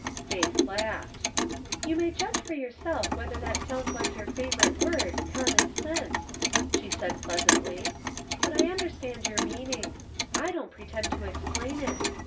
Faith laughed. " You may judge for yourself whether that sounds ?ike your favorite word, common sense," she said, pleasantl3\ " But I understand your meaning, /don't pretend to explain it.